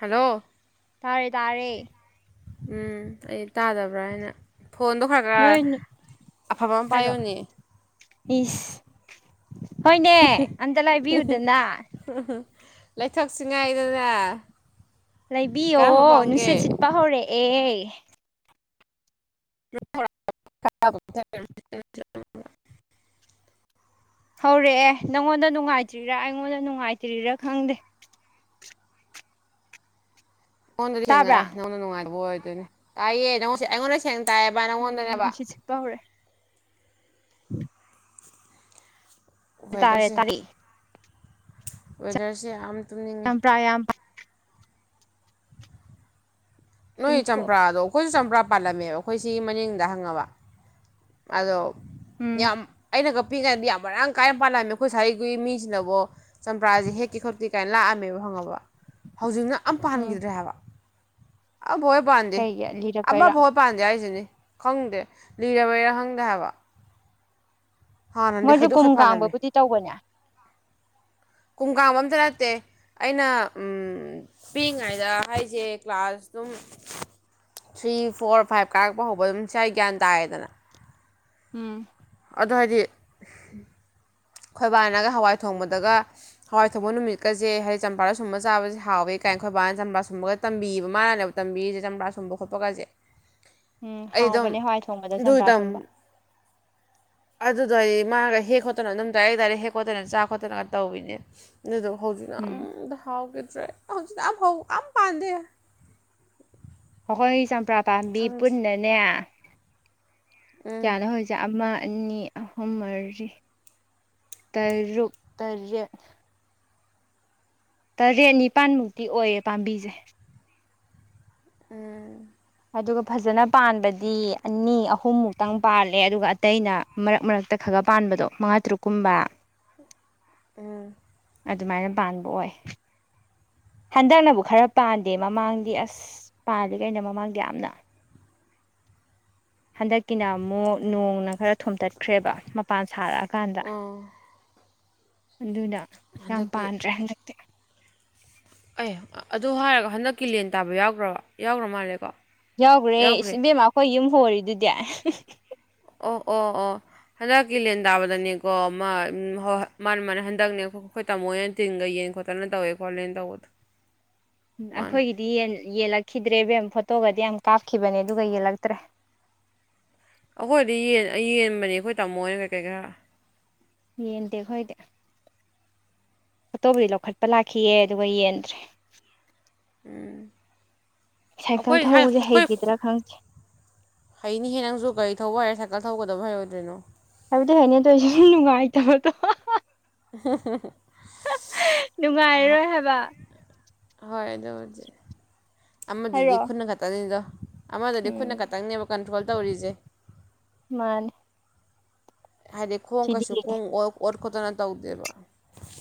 hello ꯇꯥꯔꯦ ꯇꯥꯔꯦ ꯎꯝ ꯑꯩ ꯇꯥꯗꯕ꯭ꯔꯥ ꯍꯥꯏꯅ ꯐꯣꯟꯗꯣ ꯈꯔ ꯈꯔ ꯅꯣꯏ ꯑꯐꯕ ꯑꯃ ꯍꯥꯏꯔꯣ ꯄꯥꯏꯌꯨꯅꯦ ꯏꯁ ꯍꯣꯏꯅꯦ ꯑꯝꯇ ꯂꯩꯕꯤꯌꯨꯗꯅ ꯂꯩꯊꯣꯛꯁꯤꯉꯥꯏꯗꯅ ꯂꯩꯕꯤꯌꯣ ꯅꯨꯡꯁꯤꯠ ꯁꯤꯠꯄ ꯍꯧꯔꯛꯑꯦ [unintelligible] ꯍꯧꯔꯛꯑꯦ ꯅꯪꯉꯣꯟꯗ ꯅꯨꯡꯉꯥꯏꯇ꯭ꯔꯤꯔꯥ ꯑꯩꯉꯣꯟꯗ ꯅꯨꯡꯉꯥꯏꯇ꯭ꯔꯤꯔꯥ ꯈꯪꯗꯦ ꯑꯩꯉꯣꯟꯗꯗꯤ ꯁꯦꯡꯅ ꯇꯥꯏ ꯇꯥꯕ꯭ꯔꯥ ꯅꯪꯉꯣꯟꯗ ꯅꯨꯡꯉꯥꯏꯇꯕ ꯑꯣꯏꯗꯣꯏꯅꯤ ꯇꯥꯏꯌꯦ ꯅꯪꯉꯣꯟꯗ ꯑꯩꯉꯣꯟꯗ ꯁꯦꯡꯅ ꯇꯥꯏꯌꯦꯕ ꯎꯝ ꯅꯪꯉꯣꯟꯗꯅꯦꯕ ꯅꯨꯡꯁꯤꯠ ꯁꯤꯠꯄ ꯍꯧꯔꯦ ꯎ [inaudible] ꯇꯥꯔꯦ ꯋꯦꯗꯔꯁꯦ ꯇꯥꯔꯛꯏ ꯋꯦꯗꯔꯁꯦ ꯌꯥꯝ ꯇꯨꯝꯅꯤꯡꯉꯤ ꯆꯥꯝꯄ꯭ꯔ [unintelligible] ꯌꯥꯝ ꯅꯣꯏ ꯇꯨꯝꯊꯣꯛꯑꯣ ꯆꯝꯄ꯭ꯔꯥꯗꯣ ꯑꯩꯈꯣꯏꯁꯨ ꯆꯝꯄ꯭ꯔꯥ ꯄꯥꯜꯂꯝꯃꯦꯕ ꯑꯩꯈꯣꯏ ꯁꯤꯒꯤ ꯃꯅꯤꯡꯗ ꯍꯪꯉꯕ ꯑꯗꯣ ꯎꯝ ꯌꯥꯝ ꯑꯩꯅꯒ ꯄꯤꯛꯏꯉꯩꯗꯤ ꯌꯥꯝ ꯃꯔꯥꯡ ꯀꯥꯏꯅ ꯄꯥꯜꯂꯝꯃꯤ ꯑꯩꯈꯣꯏ ꯁ꯭ꯥꯏꯒꯤ ꯃꯤꯁꯤꯅꯕꯣ ꯆꯝꯄ꯭ꯔꯥꯁꯦ ꯍꯦꯛꯀꯦ ꯈꯣꯠꯀꯦ ꯀꯥꯏꯅ ꯂꯥꯛꯑꯝꯃꯦꯕ ꯍꯪꯉꯕ ꯍꯧꯖꯤꯛꯅ ꯑꯝ ꯎꯝ ꯄꯥꯟꯈꯤꯗ꯭ꯔꯦ ꯍꯥꯏꯕ ꯑꯝꯐꯥꯎꯍꯦꯛ ꯄꯥꯟꯗꯦ ꯀꯩꯒꯤ ꯂꯤꯔꯛꯄꯩꯔꯥ ꯑꯃꯐꯥꯎꯍꯦꯛ ꯄꯥꯟꯗꯦ ꯍꯥꯏꯁꯤꯅꯤ ꯈꯪꯗꯦ ꯂꯤꯔꯕꯩꯔꯥ ꯈꯪꯗꯦ ꯍꯥꯏꯕ ꯍꯥꯟꯅꯗꯤ ꯃꯣꯏꯁꯨ ꯀꯨꯝ ꯍꯩꯗꯣꯛꯈꯩ ꯄꯥꯜꯂꯝꯃꯦ ꯀꯥꯡꯕꯕꯨꯗꯤ ꯇꯧꯕꯅꯦ ꯀꯨꯝꯀꯥꯡꯕ ꯑꯝꯇ ꯅꯠꯇꯦ ꯑꯩꯅ ꯎꯝ ꯄꯤꯛꯏꯉꯩꯗ ꯍꯥꯏꯁꯦ ꯀ꯭ꯂꯥꯁ ꯑꯗꯨꯝ ꯊ꯭ꯔꯤ ꯐꯣꯔ ꯐꯥꯏꯚ ꯀꯥꯔꯛꯄ ꯍꯧꯕ ꯑꯗꯨꯝ ꯁꯥꯏ ꯒ꯭ꯌꯥꯟ ꯇꯥꯔꯦꯗꯅ ꯎꯝ ꯑꯗꯣ ꯍꯥꯏꯗꯤ ꯈꯣꯏꯕꯥꯅꯒ ꯍꯋꯥꯏ ꯊꯣꯡꯕꯗꯒ ꯍꯋꯥꯏ ꯊꯣꯡꯕ ꯅꯨꯃꯤꯠꯀꯁꯦ ꯍꯥꯏꯗꯤ ꯆꯝꯄꯔꯥ ꯁꯨꯝꯕ ꯆꯕꯁꯦ ꯍꯥꯎꯋꯦ ꯀꯥꯏꯅ ꯈꯣꯏꯕꯥꯅ ꯆꯝꯄꯔꯥ ꯁꯨꯝꯕꯒ ꯇꯝꯕꯤꯕ ꯃꯥꯅꯅꯦꯕ ꯇꯝꯕꯤꯔꯤꯖ‌ꯦ ꯆꯝꯄ꯭ꯔꯥ ꯁꯨꯝꯕ ꯈꯣꯠꯄꯒꯁꯦ ꯎꯝ ꯑꯩ ꯑꯗꯨꯝ ꯍꯥꯎꯕꯅꯦ ꯍꯋꯥꯏ ꯊꯣꯡꯕꯗ ꯆꯝꯄ꯭ꯔꯥ ꯁꯨꯝꯕ ꯑꯗꯨꯗ‌ꯣ ꯑꯩ ꯃꯥꯒ ꯍꯦꯛ ꯈꯣꯠꯇꯅ ꯑꯗꯨꯝ ꯗꯥꯏꯔꯦꯛ ꯗꯥꯏꯔꯦꯛ ꯍꯦꯛ ꯈꯣꯠꯇꯅ ꯆꯥ ꯈꯣꯠꯇꯅꯒ ꯇꯧꯏꯅꯦ ꯑꯗꯨꯗꯨꯒ ꯍꯧꯖꯤꯛꯅ ꯎꯝ ꯑꯝꯇ ꯍꯥꯎꯈꯤꯗ꯭ꯔꯦ ꯍꯧꯖꯤꯛꯅ ꯑꯝꯐꯥꯎ ꯑꯝ ꯄꯥꯟꯗꯦ ꯑꯩꯈꯣꯏ ꯆꯝꯄ꯭ꯔꯥ ꯄꯥꯝꯕꯤ ꯈꯪꯗꯦ ꯄꯨꯟꯅꯅꯦ ꯎꯝ ꯀꯌꯥꯅꯣ ꯍꯧꯁ ꯑꯃ ꯑꯅꯤ ꯑꯍꯨꯝ ꯃꯔꯤ ꯇꯔꯨꯛ ꯇꯔꯦꯠ ꯇꯔꯦꯠ ꯅꯤꯄꯥꯟꯃꯨꯛꯇꯤ ꯑꯣꯏꯌꯦ ꯄꯥꯝꯕꯤꯖ‌ꯦ ꯎꯝ ꯑꯗꯨꯒ ꯐꯖꯅ ꯄꯥꯟꯕꯗꯤ ꯑꯅꯤ ꯑꯍꯨꯝꯃꯨꯛꯇꯪ ꯄꯥꯜꯂꯦ ꯑꯗꯨꯒ ꯑꯇꯩꯅ ꯃꯔꯛ ꯃꯔꯛꯇ ꯈꯒ ꯄꯥꯟꯕꯗꯣ ꯃꯉꯥ ꯇꯔꯨꯛꯀꯨꯝꯕ ꯎꯝ ꯑꯗꯨꯃꯥꯏꯅ ꯄꯥꯟꯕ ꯑꯣꯏ ꯍꯟꯗꯛꯅꯕꯨ ꯈꯔ ꯄꯥꯟꯗꯦ ꯃꯃꯥꯡꯗꯤ ꯑꯁ ꯄꯥꯜꯂꯤ ꯀꯩꯅꯣ ꯃꯃꯥꯡꯗꯤ ꯌꯥꯝꯅ ꯍꯟꯗꯛꯀꯤꯅ ꯃꯨꯛ ꯅꯣꯡꯅ ꯈꯔ ꯊꯣꯝꯇꯠꯈ꯭ꯔꯦꯕ ꯃꯄꯥꯟ ꯁꯥꯔꯛꯑꯀꯥꯟꯗ ꯎꯝ ꯑꯗꯨꯅ ꯌꯥꯝ ꯍꯟꯗꯛꯀꯤ ꯄꯥꯟꯗ꯭ꯔꯦ ꯍꯟꯗꯛꯇꯤ ꯑꯦ ꯑꯗꯨ ꯍꯥꯏꯔꯒ ꯍꯟꯗꯛꯀꯤ ꯂꯦꯟ ꯇꯥꯕ ꯌꯥꯎꯈ꯭ꯔꯕ ꯌꯥꯎꯈ꯭ꯔ ꯃꯥꯜꯂꯦꯀꯣ ꯌꯥꯎꯈ꯭ꯔꯦ ꯏꯁ ꯏꯕꯦꯝꯃ ꯑꯩꯈꯣꯏ ꯌꯨꯝ ꯍꯣꯔꯤꯗꯨꯗꯤ ꯑꯣ ꯑꯣ ꯑꯣ ꯍꯟꯗꯛꯀꯤ ꯂꯦꯟ ꯇꯥꯕꯗꯅꯦꯀꯣ ꯃꯥ ꯎꯝ ꯍꯣꯏ ꯍꯣꯏ ꯃꯥꯅ‌ꯦ ꯃꯥꯅ‌ꯦ ꯍꯟꯗꯛꯅꯦ ꯑ ꯈꯣꯏ ꯇꯥꯃꯣ ꯍ‌ꯣꯏꯅ ꯇꯤꯟꯒ ꯌꯦꯟ ꯈꯣꯠꯇꯅ ꯇꯧꯋꯦ ꯈꯣꯠꯂꯦꯅ ꯇꯧꯕꯗꯣ [inaudible] ꯎꯝ ꯃꯥꯅꯦ ꯑꯩꯈꯣꯏꯒꯤꯗꯤ ꯌꯦꯟ ꯌꯦꯜꯂꯛꯈꯤꯗ꯭ꯔꯦ ꯏꯕꯦꯝ ꯐꯣꯇꯣꯒꯗꯤ ꯌꯥꯝ ꯀꯥꯞꯈꯤꯕꯅꯦ ꯑꯗꯨꯒ ꯌꯦꯜꯂꯛꯇ꯭ꯔꯦ ꯑꯩꯈꯣꯏꯗꯤ ꯌꯦꯟ ꯑ ꯌꯦꯟꯕꯅꯤ ꯑꯩꯈꯣꯏ ꯇꯥꯃꯣꯍ‌ꯣꯏꯅ ꯀꯩꯀꯩ ꯈꯔ ꯌꯦꯟꯗꯦ ꯈꯣꯏꯗꯦ ꯐꯣꯇꯣꯕꯨꯗꯤ ꯂꯧꯈꯠꯄ ꯂꯥꯛꯈꯤꯌ‌ꯦ ꯑꯗꯨꯒ ꯌꯦꯟꯗ꯭ꯔꯦ ꯎꯝ ꯁꯥꯏꯀꯜ ꯊꯧꯕꯁꯦ ꯍꯩꯈꯤꯗ꯭ꯔꯥ ꯈꯪꯗꯦ ꯍꯩꯅꯤꯍꯦ ꯅꯪꯖꯨ ꯒꯥꯔꯤ ꯊꯧꯕ ꯍꯥꯏꯔ ꯁꯥꯏꯀꯜ ꯊꯧꯕ ꯀꯩꯗꯕꯩ ꯍꯩꯔꯣꯏꯗ꯭ꯔꯤꯅꯣ ꯍꯩꯕꯨꯗꯤ ꯍꯩꯅꯤ ꯑꯗꯨꯏꯁꯨ ꯃꯤ ꯅꯨꯡꯉꯥꯏꯇꯕꯗꯣ ꯑꯍ ꯅꯨꯡꯉꯥꯏꯔꯣꯏ ꯍꯥꯏꯕ ꯍꯣꯏ ꯑꯗꯨꯕꯨꯗꯤ ꯑꯃꯗꯨꯗꯤ ꯍꯥꯏꯔꯛꯑꯣ ꯈꯨꯠꯅ ꯈꯛꯇꯅꯤꯗꯣ ꯑꯃꯗꯨꯗꯤ ꯎꯝ ꯈꯨꯠꯅ ꯈꯇꯪꯅꯦꯕ ꯀꯟꯇ꯭ꯔꯣꯜ ꯇꯧꯔꯤꯖ‌ꯦ ꯃꯥꯅꯦ ꯍꯥꯏꯗꯤ ꯈꯣꯡ ꯁꯤꯗꯤ ꯀꯩꯁꯨ ꯈꯣꯡ ꯑꯣ ꯑꯣꯠ ꯈꯣꯠꯇꯅ ꯇꯧꯗꯦꯕ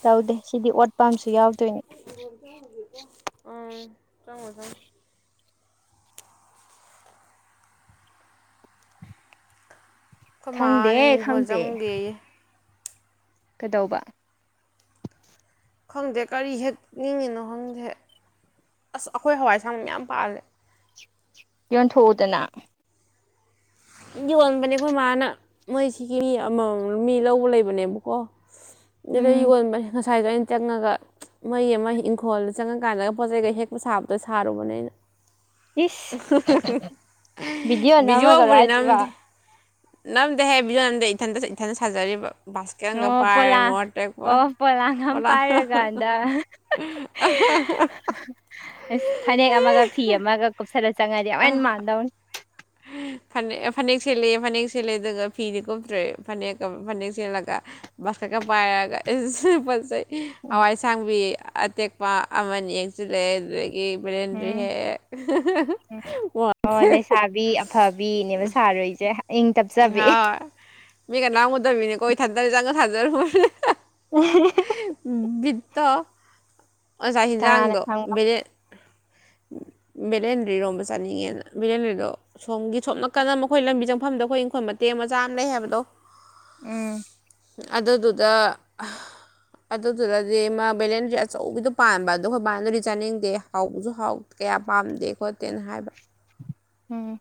ꯇꯧꯗꯦ ꯁꯤꯗꯤ ꯑꯣꯠ ꯄꯥꯝꯁꯨ ꯌꯥꯎꯗꯣꯏꯅꯦ ꯍꯤꯡꯒ‌ꯣꯟ ꯆꯪꯉꯨꯒ‌ꯦꯀ‌ꯣ ꯑꯪ ꯆꯪꯉꯨꯔ ꯆꯪꯉꯨ ꯈꯣꯏꯃꯥ ꯈꯪꯗꯦ ꯅ‌ꯦ ꯍꯤꯡꯈ‌ꯣꯜ ꯈꯪꯗꯦ ꯆꯪꯎꯒꯦꯌꯦ ꯀꯩꯗꯧꯕ ꯈꯪꯗꯦ ꯀꯔꯤ ꯍꯦꯛ ꯅꯤꯡꯉꯤꯅꯣ ꯈꯪꯗꯦ ꯑꯁ ꯑꯩꯈꯣꯏ ꯍꯋꯥꯏ ꯑꯁꯥꯡꯕꯤ ꯃꯌꯥꯝ ꯄꯥꯜꯂꯦ ꯌꯣꯟꯊꯣꯛꯎꯗꯅ ꯌꯣꯟꯕꯅꯦ ꯑꯩꯈꯣꯏ ꯃꯥꯅ ꯃꯣꯏꯁꯤꯒꯤ ꯃꯤ ꯑꯃꯃꯝ ꯃꯤ ꯂꯧꯕ ꯂꯩꯕꯅꯦꯕꯀꯣ ꯑꯗꯨꯗ ꯎꯝ ꯌꯣꯟꯕꯟ ꯉꯁꯥꯏꯁꯨ ꯑꯩꯅ ꯆꯪꯉꯒ ꯃ‌ꯣꯏ ꯑꯝꯃ ꯏꯪꯈꯣꯜꯗ ꯆꯪꯉꯀꯥꯟꯗꯒ ꯄꯣꯠ ꯆꯩꯒ ꯍꯦꯛꯄ ꯁꯥꯕꯗ‌ꯣ ꯁꯥꯔꯨꯕꯅꯦ ꯑꯩꯅ ꯏꯁ ꯚꯤꯗꯤꯑꯣ ꯕꯤꯗꯤꯑꯣ ꯅꯝꯃꯒꯔꯣ ꯍꯥꯏꯁꯤꯕꯣ ꯅꯝꯗꯦ ꯍꯦ ꯕꯤꯗꯤꯑꯣ ꯅꯝꯗꯦ ꯏꯊꯟꯇ ꯏꯊꯟꯇ ꯁꯥꯖꯔꯤꯕ ꯕꯥꯁꯀꯦꯠ ꯑꯃꯒ ꯑꯣ ꯄꯥꯏꯔ ꯄꯣꯂꯥꯡ ꯃꯣꯔ ꯇꯦꯛꯄ ꯑꯣ ꯄꯣꯂꯥꯡ ꯑꯃ ꯄꯥꯏꯔꯀꯥꯟꯗ ꯑꯁ ꯐꯅꯦꯛ ꯑꯃꯒ ꯐꯤ ꯑꯃꯒ ꯀꯨꯞꯁꯜꯂ ꯆꯪꯉꯗꯤ ꯑꯃꯨꯛꯍꯦꯜ ꯃꯥꯟꯗꯧꯅꯤ ꯐꯅꯦꯛ ꯐꯅꯦꯛ ꯁꯦꯠꯂꯦ ꯐꯅꯦꯛ ꯁꯦꯠꯂꯦ ꯑꯗꯨꯒ ꯐꯤꯗꯤ ꯀꯨꯞꯇ꯭ꯔꯦ ꯐꯅꯦꯛꯀ ꯐꯅꯦꯛ ꯁꯦꯠꯂꯒ ꯃꯁꯀꯠꯀ ꯄꯥꯏꯔꯒ ꯏꯁ ꯐꯖꯩ ꯎꯝ ꯍꯋꯥꯏꯁꯥꯡꯕꯤ ꯑꯇꯦꯛꯄ ꯑꯃꯅꯤ ꯌꯦꯡꯁꯤꯜꯂꯦ ꯑꯗꯨꯗꯩ ꯀꯤ ꯕꯔꯦꯟꯗ꯭ꯔꯤ ꯎꯝ ꯍꯦꯛꯑꯦ [unintelligible] ꯕꯤ ꯑꯐꯕꯤꯅꯦꯕ ꯁꯥꯔꯨꯏꯖꯦ ꯏꯪ ꯇꯞꯆꯕꯤ [unintelligible] ꯃꯤ ꯀꯅꯥꯝ ꯎꯗꯕꯤꯅꯀꯣ ꯏꯊꯟꯇꯅꯤ ꯆꯪꯉꯒ ꯁꯥꯖꯔꯨꯕꯅꯤ [unintelligible] ꯕꯤꯠꯇꯣ ꯑꯣꯖꯥ ꯀꯅꯥꯅ ꯏꯟꯁꯥꯡꯗꯣ ꯈꯪꯕ ꯕꯦꯂꯦꯟ ꯕꯦꯂꯦꯟꯗ꯭ꯔꯤ ꯏꯔꯣꯝꯕ ꯆꯥꯅꯤꯡꯉꯦꯅ ꯕꯦꯂꯦꯟꯗꯔꯤꯗꯣ ꯁꯣꯝꯒꯤ ꯁꯣꯝ ꯀꯟꯗ ꯃꯈꯣꯏ ꯂꯝꯕꯤ ꯆꯪꯐꯝꯗꯣ ꯃꯣꯏ ꯏꯪꯈꯣꯏ ꯃꯇꯦꯛ ꯃꯆꯥ ꯑꯃ ꯂꯩ ꯍꯥꯏꯕꯗꯣ ꯎꯝ ꯑꯗꯨꯗꯨꯗ ꯑꯗꯨꯗꯨꯗꯗꯤ ꯃꯥ ꯕꯦꯂꯦꯟꯗ꯭ꯔꯤ ꯑꯆꯧꯕꯤꯗꯣ ꯄꯥꯟꯕ ꯑꯗꯣ ꯈꯣꯏ ꯕꯥꯅꯗꯤ ꯆꯥꯅꯤꯡꯗꯦ ꯍꯥꯎꯕꯁꯨ ꯍꯥꯎ ꯀꯌꯥ ꯄꯥꯝꯗꯦ ꯈꯣꯠꯇꯦꯅ ꯍꯥꯏꯕ ꯎꯝ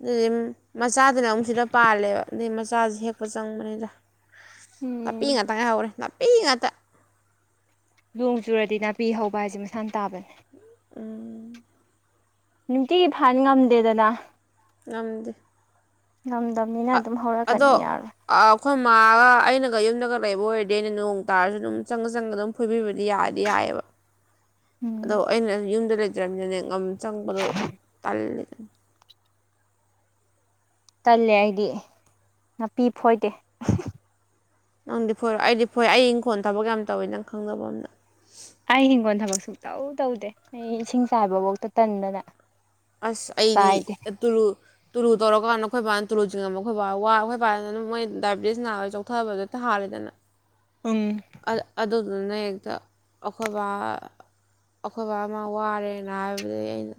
ꯑꯗꯨꯗꯤꯝ ꯃꯆꯥꯗꯨꯅ ꯑꯃꯨꯛ ꯁꯤꯗ ꯄꯥꯜꯂꯦꯕ ꯑꯗꯩ ꯃꯆꯥꯖꯤ ꯍꯦꯛꯄ ꯆꯪꯕꯅꯤꯗ ꯅꯥꯄꯤ ꯎꯝ ꯉꯥꯛꯇ ꯉꯥꯏ ꯍꯧꯔꯦ ꯅꯥꯄꯤ ꯉꯥꯛꯇ ꯂꯣꯡ ꯆꯨꯔꯗꯤ ꯅꯥꯄꯤ ꯍꯧꯕ ꯍꯥꯏꯖꯦ ꯃꯁꯥꯅ ꯇꯥꯕꯅꯦ ꯎꯝ ꯅꯨꯡꯇꯤꯒꯤ ꯐꯟ ꯉꯝꯗꯦꯗꯅ ꯉꯝꯗꯦ ꯉꯝꯗꯝꯅꯤꯅ ꯑꯗꯨꯝ ꯍꯧꯔꯛꯀꯅꯤ ꯌꯥꯔꯣꯏ ꯑ ꯑꯈꯣꯏ ꯃꯥꯒ ꯑꯩꯅꯒ ꯌꯨꯝꯗꯒ ꯂꯩꯕ ꯑꯣꯏꯔꯗꯦ ꯑꯩꯅ ꯅꯣꯡ ꯇꯥꯔꯁꯨ ꯑꯗꯨꯝ ꯆꯪꯉ ꯆꯪꯉꯒ ꯑꯗꯨꯝ ꯐꯣꯏꯕꯤꯕꯗꯤ ꯌꯥꯗꯤ ꯌꯥꯏꯑꯕ [inaudible] ꯑꯗꯣ ꯎꯝ ꯑꯩꯅ ꯌꯨꯝꯗ ꯂꯩꯇꯔꯅꯤꯝꯅꯦꯅꯦ ꯉꯝ ꯆꯪꯕꯗꯣ ꯇꯜꯂꯤꯗ ꯇꯜꯂꯦ ꯑꯩꯗꯤ ꯅꯥꯄꯤ ꯐꯣꯏꯗꯦ ꯅꯪꯗꯤ ꯐꯣꯏꯔꯣꯏ ꯑꯩꯗꯤ ꯐꯣꯏ ꯑꯩ ꯏꯪꯈꯣꯜ ꯊꯕꯛ ꯌꯥꯝ ꯇꯧꯋꯤ ꯅꯪ ꯈꯪꯗꯕ ꯑꯝꯅ ꯑꯩ ꯍꯤꯡꯈꯣꯜ ꯊꯕꯛ ꯁꯨꯛ ꯇꯧ ꯇꯧꯗꯦ ꯑꯩ ꯏꯁꯤꯡ ꯆꯥꯏꯕꯕꯧꯇ ꯇꯟꯗꯅ ꯑꯁ ꯑꯩꯗꯤ ꯆꯥꯏꯗꯦ ꯑꯇꯨꯔꯨ ꯇꯨꯔꯨ ꯇꯧꯔꯀꯥꯟ ꯑꯩꯈꯣꯏꯕꯥꯅ ꯇꯨꯔꯨ ꯆꯤꯡꯉꯕ ꯑꯩꯈꯣꯏꯕꯥ ꯋꯥ ꯑꯩꯈꯣꯏ ꯕꯥꯗꯅ ꯑꯗꯨꯝ ꯃꯣꯏ ꯗꯥꯏꯕꯦꯇꯤꯁ ꯅꯥꯕꯩ ꯊꯥꯔꯤꯗꯅ ꯑꯪ ꯑ‌ ꯑꯗꯨꯗꯨꯅ ꯍꯦꯛꯇ ꯑꯈꯣꯏ ꯕꯥ ꯑꯈꯣꯏ ꯕꯥ ꯃꯥ ꯋꯥꯔꯦꯅ ꯍꯥꯏꯕꯗꯒꯤ ꯑꯩꯅ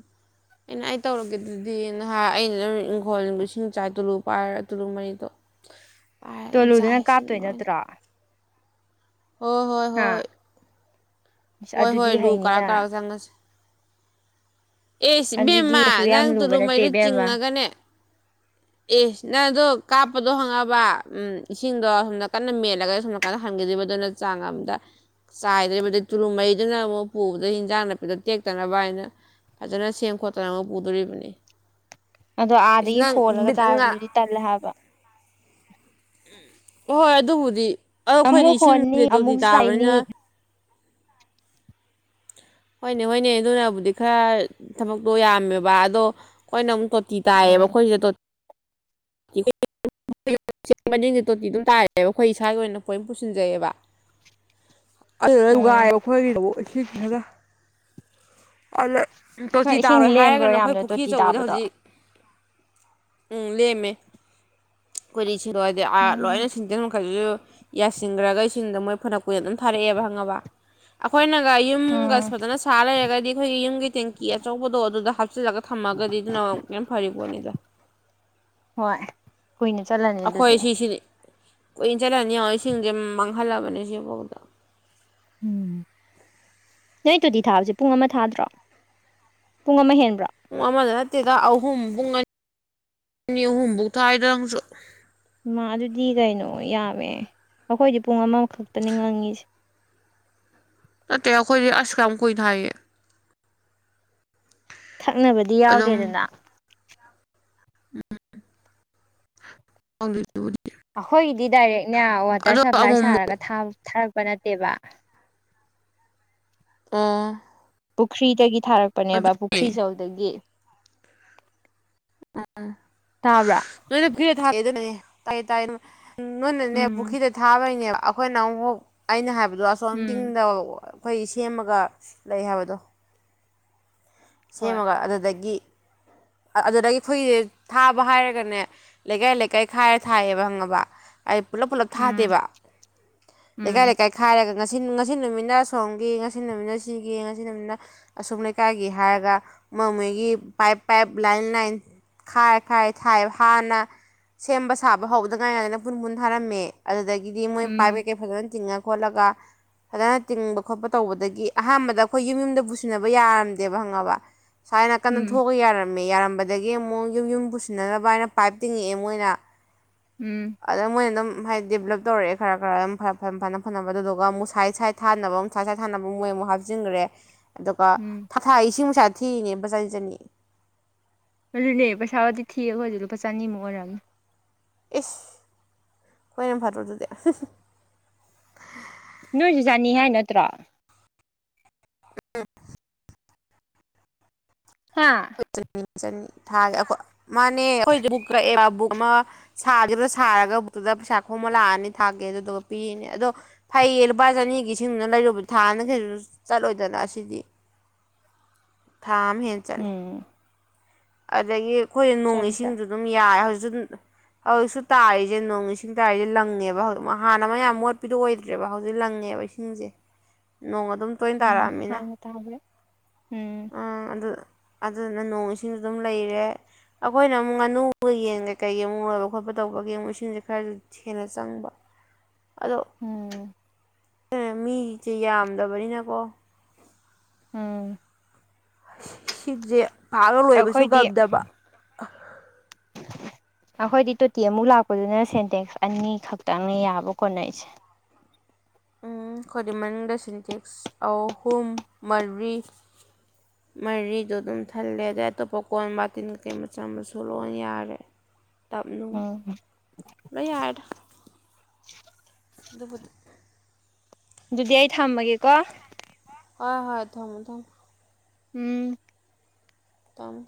ꯑꯩꯅ ꯑꯩ ꯇꯧꯔꯒꯦ ꯑꯗꯨꯗꯤ ꯍꯥꯏ ꯑꯩꯅꯗꯨꯝ ꯏꯪꯈꯣꯜꯅꯨꯡ ꯏꯁꯤꯡ ꯆꯥꯏ ꯇꯨꯂꯨ ꯄꯥꯏꯔ ꯇꯨꯂꯨ ꯃꯔꯤꯗꯣ ꯄꯥꯏꯔ ꯑꯗꯨꯝ ꯇꯣꯅꯨꯗꯨꯅ ꯆꯥꯏ ꯏꯁꯤꯡ ꯀꯥꯞꯇꯣꯏ ꯂꯣꯏꯅ ꯅꯠꯇ꯭ꯔꯣ ꯍꯣꯏ ꯍꯣꯏ ꯍꯥ ꯍꯣꯏ ꯑꯁ ꯍꯣꯏ ꯍꯣꯏ ꯑꯗꯨꯗꯤ ꯂꯨ ꯀꯥꯔꯛ ꯍꯩꯅꯤꯅ ꯀꯥꯔꯛ ꯆꯪꯉꯁꯤ ꯑꯦꯁ ꯑꯗꯨꯗꯤ ꯀꯩꯁꯨ ꯏꯕꯦꯝꯃ ꯌꯥꯝ ꯅꯪ ꯂꯨꯕ ꯇꯨꯂꯨ ꯅꯠꯇꯦ ꯃꯩꯗꯣ ꯏꯕꯦꯝꯃ ꯏꯁ ꯅꯪ ꯑꯗꯣ ꯀꯥꯞꯄꯗꯣ ꯍꯪꯉꯕ ꯎꯝ ꯏꯁꯤꯡꯗꯣ ꯍꯣꯝ ꯀꯟꯅ ꯃꯦꯠꯂꯒ ꯁꯣꯝ ꯀꯟꯅ ꯍꯜꯒꯤꯗꯣꯏꯕ ꯑꯗꯨꯅ ꯆꯥꯡ ꯑꯃꯗ ꯆꯥꯏꯗꯔꯤꯕꯗꯩ ꯇꯨꯂꯨ ꯃꯔꯤꯗꯨꯅ ꯑꯃꯨꯛ ꯄꯨꯕꯗ ꯍꯤꯟꯖꯥꯡ ꯅꯥꯄꯤꯗꯣ ꯇꯦꯛꯇꯅꯕ ꯍꯥꯏꯅ ꯐꯖꯅ ꯁꯦꯝ ꯈꯣꯠ ꯇꯧꯔꯉ ꯄꯨꯨꯗꯣꯔꯤꯕꯅꯤ ꯑꯗꯣ ꯑꯥꯗꯒꯤ ꯍꯣꯜꯂꯒ ꯕꯤꯠ ꯉꯥ ꯆꯥꯕꯗꯨꯗꯤ ꯇꯜꯂꯦ ꯍꯥꯏꯕ ꯑꯣꯍꯣꯏ ꯑꯗꯨꯕꯨꯗꯤ ꯑ ꯈꯣꯏꯗꯤ ꯑꯃꯨꯛ ꯏꯁꯤꯡ ꯍꯣꯟꯅꯤ ꯇꯣꯇꯤ ꯑꯃꯨꯛ ꯆꯥꯏꯅꯤ ꯇꯥꯕꯅꯤꯅ ꯍꯣꯏꯅꯦ ꯍꯣꯏꯅꯦ ꯑꯗꯨꯅꯕꯨꯗꯤ ꯈꯔ ꯊꯕꯛꯇꯣ ꯌꯥꯝꯃꯦꯕ ꯑꯗꯣ ꯈꯣꯏꯅꯃꯨꯛ ꯇꯣꯠ ꯇꯤ ꯇꯥꯏꯌꯦꯕ ꯎꯝ ꯈꯣꯏꯒꯤ ꯇꯣꯠ [unintelligible] [unintelligible] ꯇꯣꯇꯤ ꯗꯨꯝ ꯇꯥꯏꯌꯦ ꯈꯣꯏ ꯏꯁꯥꯒꯤ ꯑꯣꯏꯅ ꯄꯣꯏꯝ ꯄꯨꯁꯤꯟꯖꯩꯑꯕ [unintelligible] ꯎꯝ ꯋꯥꯏꯅ ꯈꯣꯏꯒꯤ ꯑꯃꯨꯛ ꯏꯁꯤꯡ ꯈꯔ ꯑꯂꯦ ꯍꯣꯏ ꯇꯣꯇꯤ ꯏꯁꯤꯡ ꯇꯥꯔꯣꯏ ꯂꯦꯝꯕ꯭ꯔꯣ ꯍꯥꯏꯔꯒꯅ ꯈꯣꯏ ꯌꯥꯝꯅ ꯄꯨꯈꯤ ꯇꯣꯇꯤ ꯑꯆꯧꯕꯗ ꯇꯥꯕꯗꯣ ꯍꯧꯖꯤꯛ ꯎꯝ ꯂꯦꯝꯃꯦ [unintelligible] ꯎꯝ ꯁꯤꯟꯗꯦꯛ ꯃꯈꯩꯖꯨ ꯌꯥꯁꯤꯟꯒꯔ꯭ ꯒ ꯏꯁꯤꯡꯗ ꯃꯣꯏ ꯐꯅ ꯀꯨꯏ ꯑꯗꯨꯝ ꯊꯥꯔꯦꯑꯦꯕ ꯍꯪꯉꯕ ꯑꯈꯣꯏꯅꯒ ꯌꯨꯝꯒ ꯎꯝ ꯐꯖꯅ ꯁꯥ ꯂꯩꯔꯒꯗꯤ ꯑꯈꯣꯏꯒꯤ ꯌꯨꯝꯒꯤ ꯇꯦꯡꯀꯤ ꯑꯆꯧꯕꯗꯣ ꯑꯗꯨꯗ ꯍꯥꯞ ꯆꯤꯜꯂꯒ ꯊꯝꯃꯒꯗꯤ ꯗꯨꯅ [unintelligible] ꯐꯔꯤꯕꯣꯠꯅꯤꯗ ꯍꯣꯏ ꯀꯨꯏꯅ ꯆꯠꯂꯅꯤ ꯑꯗꯨꯗꯤ ꯑꯈꯣꯏ ꯁꯤꯁꯤꯗꯤ ꯀꯨꯏ ꯆꯠꯂꯅꯤ ꯌꯦꯡꯉꯣ ꯏꯁꯤꯡꯖꯦ ꯃꯥꯡꯍꯜꯂꯕꯅꯤ ꯁꯤꯕꯥꯎꯗ ꯎꯝ ꯅꯣꯏ ꯇꯨꯗꯤ ꯊꯥꯕꯖꯤ ꯄꯨꯡ ꯑꯃ ꯊꯥꯗ꯭ꯔꯣ ꯄꯨꯡ ꯑꯃ ꯍꯦꯟꯕ꯭ꯔꯣ ꯄꯨꯡ ꯑꯃꯗ ꯅꯠꯇꯦꯗ ꯑꯍꯨꯝ ꯄꯨꯡ ꯑꯟ ꯑꯅꯤ ꯑꯍꯨꯝꯕꯨ ꯊꯥꯏꯗ ꯅꯪꯁꯨ ꯏꯃ ꯑꯗꯨꯗꯤ ꯀꯩꯅꯣ ꯌꯥꯝꯃꯦ ꯑꯈꯣꯏꯗꯤ ꯄꯨꯡ ꯑꯃꯈꯛꯇꯅꯤ ꯉꯪꯉꯤꯁꯦ ꯅꯠꯇꯦ ꯑꯈꯣꯏꯗꯤ ꯑꯁ ꯌꯥꯝ ꯀꯨꯏ ꯊꯥꯏꯌꯦ ꯊꯛꯅꯕꯗꯤ ꯌꯥꯎꯗꯦꯗꯅ ꯎꯝ [unintelligible] ꯑꯈꯣꯏꯒꯤꯗꯤ ꯗꯥꯏꯔꯦꯛꯅꯦ ꯋꯥꯇꯔ ꯑꯗꯣ ꯁꯄ꯭ꯂꯥꯏ ꯑꯃꯨꯛ ꯁꯥꯔꯒ ꯊꯥꯕ ꯊꯥꯔꯛꯄ ꯅꯠꯇꯦꯕ ꯑ ꯄꯨꯈ꯭ꯔꯤꯗꯒꯤ ꯊꯥꯔꯛꯄꯅꯦꯕ ꯄꯨꯈ꯭ꯔꯤ ꯆꯧꯗꯒꯤ ꯇꯥꯕ꯭ꯔꯥ ꯅꯣꯏꯅ ꯄꯨꯈꯤꯗ ꯊꯥ [unintelligible] ꯇꯥꯏꯌꯦ ꯇꯥꯏꯌꯦ ꯅꯣꯏꯅꯅꯦ ꯎꯝ ꯄꯨꯈꯤꯗ ꯊꯥꯕꯩꯅꯦꯕ ꯑꯈꯣꯏꯅ ꯑꯃꯨꯛ ꯑꯩꯅ ꯍꯥꯏꯕꯗꯣ ꯑꯁꯣꯝ ꯎꯝ ꯇꯤꯡꯗ ꯑꯈꯣꯏ ꯁꯦꯝꯃꯒ ꯂꯩ ꯍꯥꯏꯕꯗꯣ ꯍꯣꯏ ꯁꯦꯝꯃꯒ ꯑꯗꯨꯗꯒꯤ ꯑꯗꯨꯗꯒꯤ ꯐꯨꯏ ꯊꯥꯕ ꯍꯥꯏꯔꯒꯅꯦ ꯂꯩꯀꯥꯏ ꯂꯩꯀꯥꯏ ꯈꯥꯏꯔ ꯊꯥꯏꯑꯕ ꯍꯪꯉꯕ ꯑꯥꯏ ꯄꯨꯂꯞ ꯄꯨꯂꯞ ꯎꯝ ꯊꯥꯗꯦꯕ ꯎꯝ ꯂꯩꯀꯥꯏ ꯂꯩꯀꯥꯏ ꯈꯥꯏꯔꯒ ꯉꯁꯤ ꯉꯁꯤ ꯅꯨꯃꯤꯠꯅ ꯁꯣꯝꯒꯤ ꯉꯁꯤ ꯅꯨꯃꯤꯠꯅ ꯁꯤꯒꯤ ꯉꯁꯤ ꯅꯨꯃꯤꯠꯅ ꯑꯁꯣꯝ ꯂꯩꯀꯥꯏꯒꯤ ꯍꯥꯏꯔꯒ ꯃꯣꯃꯣꯏꯒꯤ ꯄꯥꯏꯞ ꯄꯥꯏꯞ ꯂꯥꯏꯟ ꯂꯥꯏꯟ ꯈꯥꯏꯔ ꯈꯥꯏꯔ ꯊꯥꯏ ꯍꯥꯟꯅ ꯁꯦꯝꯕ ꯁꯥꯕ ꯍꯧꯗꯉꯥꯏꯉꯥꯏꯅ ꯄꯨꯟ ꯄꯨꯟ ꯊꯥꯔꯝꯃꯦ ꯑꯗꯨꯗꯒꯤꯗꯤ ꯃꯣꯏ ꯄꯥꯏꯞ ꯎꯝ ꯀꯩ ꯀꯩ ꯐꯖꯅ ꯇꯤꯡꯉ ꯈꯣꯠꯂꯒ ꯐꯖꯅ ꯇꯤꯡꯕ ꯈꯣꯠꯄ ꯇꯧꯕꯗꯒꯤ ꯑꯍꯥꯟꯕꯗ ꯑꯈꯣꯏ ꯌꯨꯝ ꯌꯨꯝꯗ ꯄꯨꯁꯤꯟꯅꯕ ꯌꯥꯔꯝ ꯗꯦꯕ ꯍꯪꯉꯕ ꯁꯋ꯭ꯥꯏꯅ ꯀꯟꯅ ꯎꯝ ꯊꯣꯛꯑ ꯌꯥꯔꯝꯃꯦ ꯌꯥꯔꯝꯕꯠ ꯗꯒꯤ ꯑꯃꯨꯛ ꯌꯨꯝ ꯌꯨꯝ ꯄꯨꯁꯤꯟꯅꯅꯕ ꯍꯥꯏꯅ ꯄꯥꯏꯞ ꯇꯤꯡꯉꯛꯑꯦ ꯃꯣꯏꯅ ꯎꯝ ꯑꯗꯨꯝ ꯃꯣꯏꯅꯗꯨꯝ ꯍꯥꯏꯗꯤ ꯗꯤꯕꯂꯞ ꯇꯧꯔꯦꯑꯦ ꯈꯔ ꯈꯔ ꯗꯨꯝ ꯐ ꯐꯝ ꯐꯅ ꯐꯅꯕ ꯗꯨꯗꯨꯒ ꯑꯃꯨꯛ ꯁꯥꯏꯠ ꯁꯥꯏꯠ ꯊꯥꯅꯕ ꯑꯃꯨꯛ ꯁꯥꯏꯠ ꯁꯥꯏꯠ ꯊꯥꯅꯕ ꯃꯨꯛ ꯃꯣꯏ ꯃꯨꯛ ꯍꯥꯞꯆꯤꯟꯒꯔꯦ ꯑꯗꯨꯒ ꯎꯝ [unintelligible] ꯑꯗꯨꯅꯦ ꯄꯩꯁꯥꯕꯨꯗꯤ ꯊꯤꯌꯦ ꯑꯩꯈꯣꯏꯖꯨ ꯂꯨꯄꯥ ꯆꯅꯤꯃꯨꯛ ꯑꯣꯏꯔꯝꯑꯅꯤ ꯏꯁ ꯍꯣꯏ ꯌꯥꯝ ꯐꯗ꯭ꯔꯣ ꯑꯗꯨꯗꯤ ꯅꯣꯏꯖꯨ ꯆꯥꯅꯤ ꯍꯥꯏ ꯅꯠꯇ꯭ꯔꯣ ꯍꯥꯥ ꯆ ꯆ ꯊꯥꯒꯤ ꯈꯣꯏ ꯃꯥꯅꯦ [unintelligible] [unintelligible] ꯑꯃ ꯁꯥꯒꯤꯕꯗ ꯁꯥꯔꯒ ꯕꯨꯛꯇꯨꯗ ꯄꯩꯁꯥ ꯈꯣꯃ ꯂꯥꯛꯑꯅꯤ ꯊꯥꯛꯀꯦ ꯑꯗꯨꯗꯨꯒ ꯄꯤꯔꯤꯅꯤ ꯑꯗꯣ ꯐꯩꯌꯦ ꯂꯨꯄꯥ ꯆꯅꯤꯒꯤ ꯏꯁꯤꯡꯗꯨꯅ ꯂꯩꯔꯨꯕꯗ ꯊꯥꯝꯗ ꯀꯩꯁꯨ ꯆꯠꯂꯣꯏꯗꯅ ꯑꯁꯤꯗꯤ ꯊꯥꯝ ꯍꯦꯟ ꯎꯝ ꯑꯗꯒꯤ ꯑꯩꯈꯣꯏ ꯅꯣꯡ ꯆꯠꯂꯦ ꯆꯠꯂꯦ ꯏꯁꯤꯡꯗꯨ ꯗꯨꯝ ꯌꯥꯏ ꯍꯧꯖꯤꯛꯁꯨ ꯑꯗꯨꯝ ꯍꯧꯖꯤꯛꯁꯨ ꯇꯥꯔꯤꯁꯦ ꯅꯣꯡ ꯏꯁꯤꯡ ꯇꯥꯔꯤꯖꯦ ꯂꯪꯉꯦꯕ ꯍꯧꯖꯤꯛ ꯍꯥꯟꯅ ꯑꯃ ꯃꯌꯥꯝ ꯃꯣꯠꯄꯤꯗꯣ ꯑꯣꯏꯗ꯭ꯔꯦꯕ ꯍꯧꯖꯤꯛ ꯂꯪꯉꯦꯕ ꯏꯁꯤꯡꯖꯦ ꯅꯣꯡ ꯑꯗꯨꯝ ꯇꯣꯏ ꯎꯝ ꯇꯥꯔꯛꯑꯝꯅꯤꯅ ꯍꯥꯟꯅ ꯇꯥꯕ꯭ꯔꯦ ꯎꯝ ꯑꯥ ꯑꯗꯨ ꯑꯗꯨꯗꯨꯅ ꯅꯣꯡ ꯏꯁꯤꯡ ꯁꯤꯡꯁꯨ ꯑꯗꯨꯝ ꯂꯩꯔꯦ ꯑꯩꯈꯣꯏꯅ ꯑꯃꯨꯛ ꯉꯥꯅꯨꯒ ꯌꯦꯟ ꯀꯩ ꯀꯩ ꯑꯃꯨꯛ ꯂꯣꯏꯕ ꯈꯣꯠꯄ ꯇꯧꯕꯒꯤ ꯑꯃꯨꯛ ꯏꯁꯤꯡꯁꯦ ꯈꯔꯗꯤ ꯍꯦꯟꯅ ꯆꯪꯕ ꯑꯗꯣ ꯎꯝ ꯃꯤꯖꯦ ꯌꯥꯝꯗꯕꯅꯤꯅꯀꯣ ꯎꯝ ꯁꯤꯡꯁꯦ ꯄꯥꯛ ꯂꯣꯏꯕꯁꯨ ꯑꯩꯈꯣꯏꯗꯤ ꯉꯝꯗꯕ ꯑꯩꯈꯣꯏꯗꯤ ꯇꯣꯇꯤ ꯑꯃꯨꯛ ꯂꯥꯛꯄꯗꯨꯅ ꯁꯦꯟꯇꯦꯛꯁ ꯑꯅꯤꯈꯛꯇꯪꯅꯦ ꯌꯥꯕ ꯀꯣꯟꯅꯔꯤꯁꯦ ꯎꯝ ꯑꯩꯈꯣꯏꯗꯤ ꯃꯅꯤꯡꯗ ꯁꯤꯟꯇꯦꯛꯁ ꯑꯍꯨꯝ ꯃꯔꯤ ꯃꯔꯤꯗꯣ ꯑꯗꯨꯝ ꯊꯜꯂꯦ ꯑꯗꯩ ꯑꯇꯣꯞꯄ ꯀꯣꯟ ꯕꯥꯇꯤꯟ ꯀꯩ ꯃꯆꯥ ꯃꯁꯨ ꯂꯣꯏ ꯌꯥꯔꯦ [inaudible] ꯇꯞꯅꯨ ꯎꯝ ꯂꯣꯏ ꯌꯥꯔꯦꯗ ꯗꯨꯕꯨꯗꯤ ꯑꯗꯨꯗꯤ ꯑꯩ ꯊꯝꯃꯒꯦꯀꯣ ꯍꯣꯏ ꯍꯣꯏ ꯊꯝꯃꯣ ꯊꯝꯃꯣ ꯎꯝ ꯇꯕ꯭ꯔꯣ